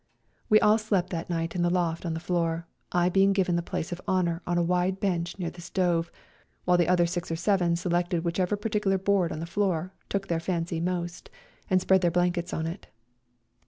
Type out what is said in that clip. We all slept that night in the loft on the floor, I being given the place of honour on a wide bench near the stove, while the other six or seven selected whichever particular board on the floor took their fancy most, and spread their blankets on it.